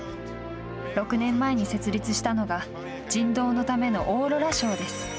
６年前に設立したのが人道のためのオーロラ賞です。